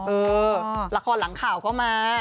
เออละครหลังข่าวก็มา